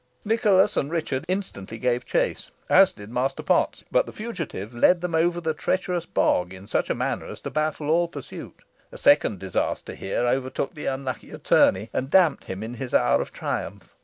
Nicholas and Richard instantly gave chase, as did Master Potts, but the fugitive led them over the treacherous bog in such a manner as to baffle all pursuit. A second disaster here overtook the unlucky attorney, and damped him in his hour of triumph.